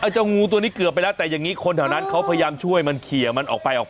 เจ้างูตัวนี้เกือบไปแล้วแต่อย่างนี้คนแถวนั้นเขาพยายามช่วยมันเขียมันออกไปออก